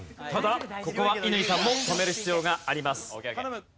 ただここは乾さんも止める必要があります。